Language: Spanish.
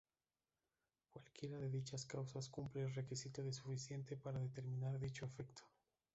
Cualquiera de dichas causas cumple el requisito de "suficiente" para determinar dicho efecto.